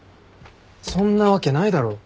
そんなわけないだろ。